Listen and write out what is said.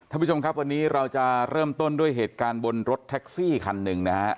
ท่านผู้ชมครับวันนี้เราจะเริ่มต้นด้วยเหตุการณ์บนรถแท็กซี่คันหนึ่งนะฮะ